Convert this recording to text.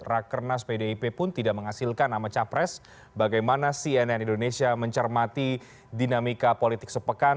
rakernas pdip pun tidak menghasilkan nama capres bagaimana cnn indonesia mencermati dinamika politik sepekan